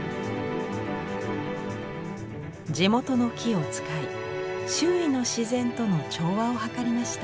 地元の木を使い周囲の自然との調和を図りました。